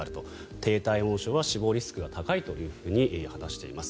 低体温症は死亡リスクが高いと話しています。